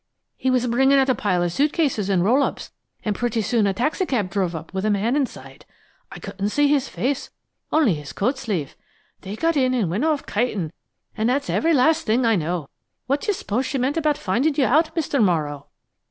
He was bringin' out a pile of suit cases and roll ups, and pretty soon a taxicab drove up with a man inside. I couldn't see his face only his coat sleeve. They got in an' went off kitin' an' that's every last thing I know. What d'you s'pose she meant about findin' you out, Mr. Morrow?"